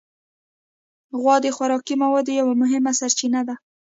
غوا د خوراکي موادو یو مهمه سرچینه ده.